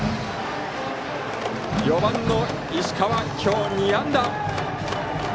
４番の石川、今日２安打。